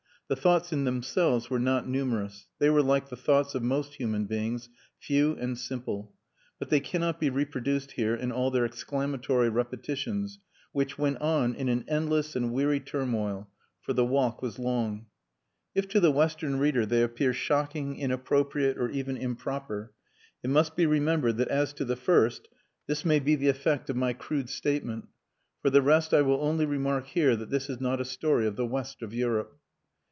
The thoughts in themselves were not numerous they were like the thoughts of most human beings, few and simple but they cannot be reproduced here in all their exclamatory repetitions which went on in an endless and weary turmoil for the walk was long. If to the Western reader they appear shocking, inappropriate, or even improper, it must be remembered that as to the first this may be the effect of my crude statement. For the rest I will only remark here that this is not a story of the West of Europe.